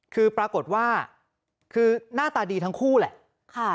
คือปรากฏว่าคือหน้าตาดีทั้งคู่แหละ